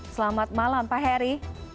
selamat malam pak heri